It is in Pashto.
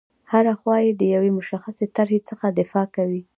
هره خوا یې د یوې مشخصې طرحې څخه دفاع کوي.